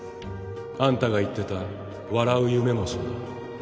あんたが言ってた笑う夢もそうだ。